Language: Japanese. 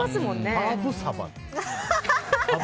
ハーブサバって。